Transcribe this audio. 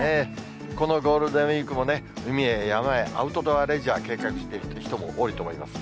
このゴールデンウィークもね、海へ山へ、アウトドアレジャー計画している人も多いと思います。